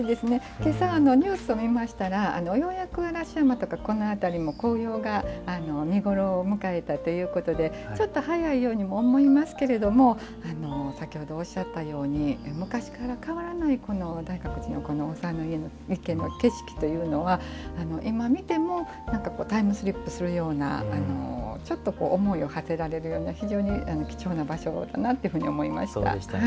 けさ、ニュースを見ましたらようやく嵐山とかこの辺りも、紅葉が見頃を迎えたということでちょっと、早いようにも思いますけれども先ほど、おっしゃったように昔から変わらないこの大覚寺の大沢池の景色というのは今、見てもタイムスリップするようなちょっと思いをはせられるような非常に貴重な場所だなというふうに思いました。